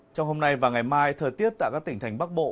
trong hôm nay và ngày mai thời tiết tại các tỉnh thành bắc bộ